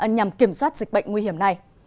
nhằm kiểm soát dịch bệnh nguy hiểm này